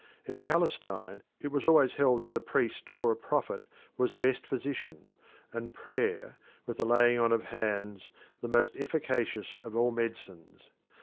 In Palestine it was always held that a priest or a prophet was the best physician, and prayer, with the laying on of hands, the most efficacious of all medicines.